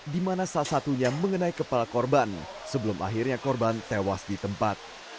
di mana salah satunya mengenai kepala korban sebelum akhirnya korban tewas di tempat